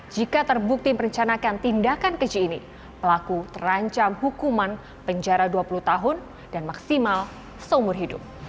jika terbukti merencanakan tindakan keji ini pelaku terancam hukuman penjara dua puluh tahun dan maksimal seumur hidup